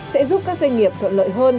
sẽ giúp các doanh nghiệp thuận lợi hơn